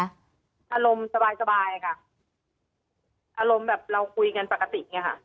อารมณ์สบายค่ะอารมณ์แบบเราคุยกันปกติไงค่ะ